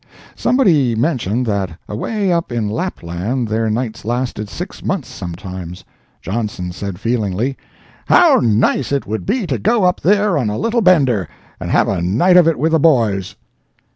Somebody mentioned that away up in Lapland their nights lasted six months sometimes. Johnson said, feelingly, "How nice it would be to go up there on a little bender, and have a night of it with the boys!"